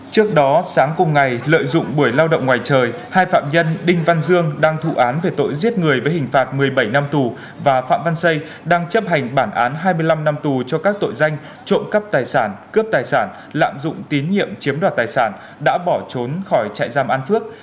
trước đó sáng cùng ngày lợi dụng buổi lao động ngoài trời hai phạm nhân đinh văn dương đang thụ án về tội giết người với hình phạt một mươi bảy năm tù và phạm văn xây đang chấp hành bản án hai mươi năm năm tù cho các tội danh trộm cắp tài sản cướp tài sản lạm dụng tín nhiệm chiếm đoạt tài sản đã bỏ trốn khỏi trại giam an phước